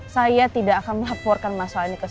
saya tidak akan melaporkan masalah ini ke sal